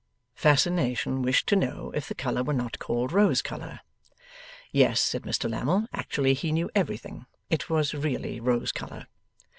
Fascination wished to know if the colour were not called rose colour? Yes, said Mr Lammle; actually he knew everything; it was really rose colour.